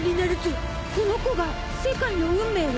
この子が世界の運命を？